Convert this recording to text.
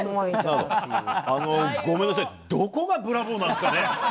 ごめんなさい、どこがブラボーなんですかね。